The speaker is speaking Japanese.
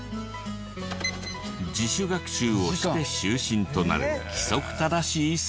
自主学習をして就寝となる規則正しい生活。